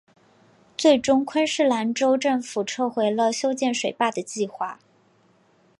最终昆士兰州政府撤回了修建水坝的计划。